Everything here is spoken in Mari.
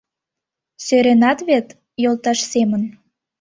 Сӧренат вет, йолташ семын